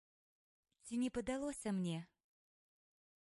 Ці не падалося мне?